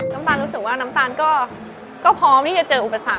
น้ำตาลรู้สึกว่าน้ำตาลก็พร้อมที่จะเจออุปสรรค